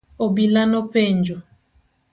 Obila nopenjo.